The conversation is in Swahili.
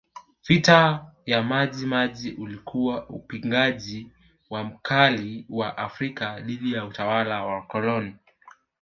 Vita ya Maji Maji ulikuwa upingaji mkali wa Waafrika dhidi ya utawala wa kikoloni